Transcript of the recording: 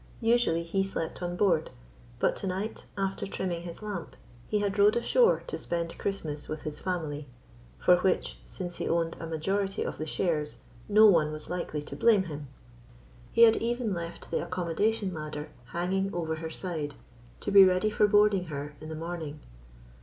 Usually he slept on board; but to night, after trimming his lamp, he had rowed ashore to spend Christmas with his family for which, since he owned a majority of the shares, no one was likely to blame him. He had even left the accommodation ladder hanging over her side, to be handy for boarding her in the morning.